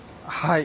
はい。